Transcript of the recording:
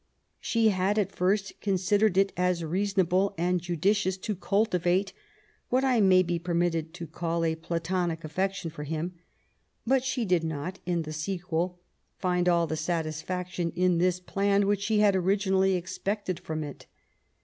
She had at first considered it as reasonable and judicious to cultivate what I may be permitted to call a platonic affection for him ; but she did not, in the sequel, find all the satisfaction in this plan which she had originally expected from it.